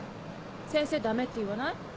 先生ダメって言わない？